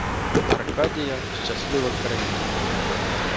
Аркадія — щаслива країна